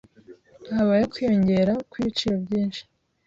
Habayeho kwiyongera kw'ibiciro byinshi.